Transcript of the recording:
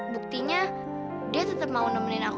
buktinya dia tetap mau nemenin aku